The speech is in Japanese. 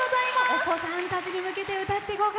お子さんたちに向けて歌って合格。